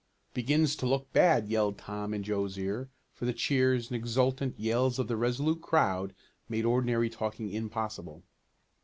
"Begins to look bad!" yelled Tom in Joe's ear, for the cheers and exultant yells of the Resolute crowd made ordinary talking impossible.